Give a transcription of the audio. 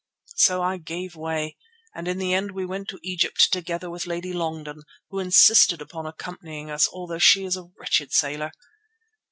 "So I gave way and in the end we went to Egypt together with Lady Longden, who insisted upon accompanying us although she is a wretched sailor.